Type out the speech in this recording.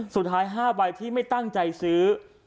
สุดท้าย๕ใบที่ไม่ตั้งใจซื้อ